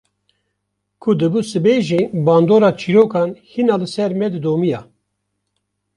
Ku dibû sibe jî bandora çîrokan hîna li ser me didomiya.